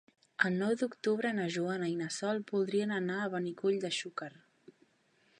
El nou d'octubre na Joana i na Sol voldrien anar a Benicull de Xúquer.